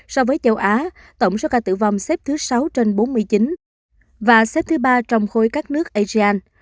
so với châu á tổng số ca tử vong xếp thứ sáu trên bốn mươi chín và xếp thứ ba trong khối các nước asean